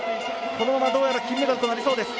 このままどうやら金メダルとなりそうです。